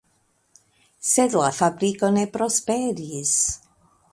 Sed la fabriko ne prosperis.